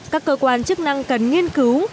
các cơ quan chức năng cần nghiên cứu